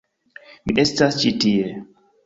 Mi estas ĉi tie